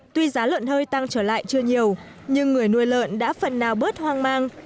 tuy giá lợn hơi tăng trở lại chưa nhiều nhưng người nuôi lợn đã phần nào bớt hoang mang